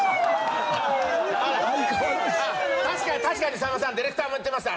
確かにさんまさんディクレターも言ってました。